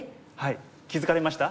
気付かれました？